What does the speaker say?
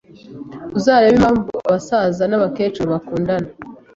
uzarebe impamvu abasaza n’abakecuru bakundana